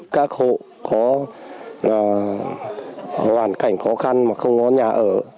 các hộ có hoàn cảnh khó khăn mà không có nhà ở